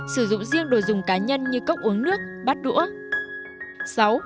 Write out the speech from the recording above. sử dụng riêng đồ dùng cá nhân như cốc uống nước bát đũa